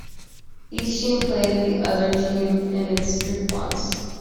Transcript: Each team played the other teams in its group once.